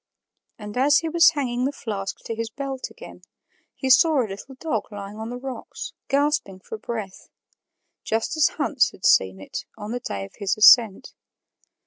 And as he was hanging the flask to his belt again, he saw a little dog lying on the rocks, gasping for breath just as Hans had seen it on the day of his ascent.